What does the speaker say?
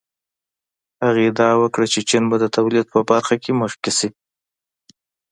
هغه ادعا وکړه چې چین به د تولید په برخه کې مخکې شي.